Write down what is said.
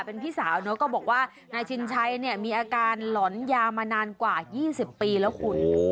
เป็นพี่สาวเนอะก็บอกว่านายชินชัยเนี่ยมีอาการหลอนยามานานกว่า๒๐ปีแล้วคุณ